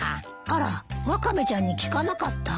あらワカメちゃんに聞かなかった？